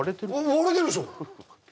割れてるでしょ